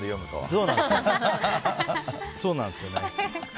そうなんですよね。